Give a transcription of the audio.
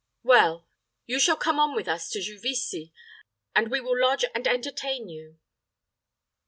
Well, you shall come on with us to Juvisy, and we will lodge and entertain you."